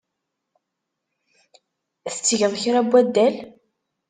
Tettgeḍ kra n waddal?